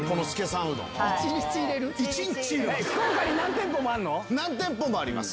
福岡に何店舗もあるの？